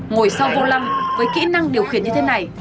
ngồi sau vô lăng với kỹ năng điều khiển như thế này